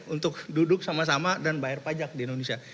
untuk duduk sama sama dan bayar pajak di indonesia